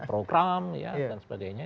program dan sebagainya